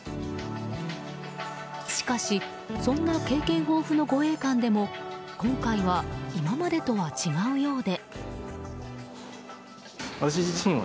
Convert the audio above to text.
しかし、そんな経験豊富な護衛官でも今回は今までとは違うようで。